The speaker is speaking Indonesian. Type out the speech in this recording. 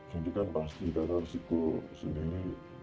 sujudikan pasti dan resiko sendiri